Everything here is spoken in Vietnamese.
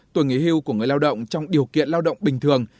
tuổi nghỉ hưu của người lao động trong điều kiện lao động bình thường